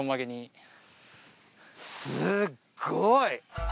すっごい！